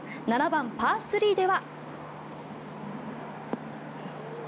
７番、パー３では。